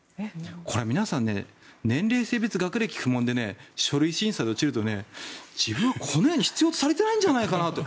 これ皆さん年齢、性別、学歴不問で書類審査で落ちると自分はこの世に、必要とされていないんじゃないかなと。